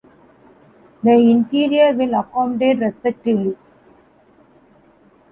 The interior will accommodate respectively.